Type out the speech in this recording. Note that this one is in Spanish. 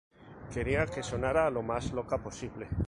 Quería que sonara lo más loca posible".